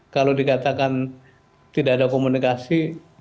kalau dikatakan tidak ada komunikasi